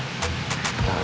tugas apa ya pak